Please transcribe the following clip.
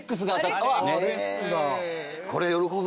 これ喜ぶ。